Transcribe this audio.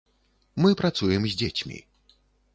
Мы працуем з дзецьмі.